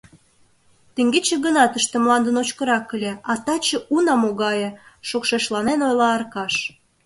Теҥгече гына тыште мланде ночкырак ыле, а таче, уна, могае, — шокшешланен ойла Аркаш.